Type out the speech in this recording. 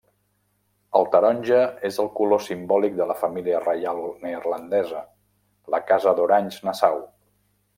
El taronja és el color simbòlic de la família reial neerlandesa, la Casa d'Orange-Nassau.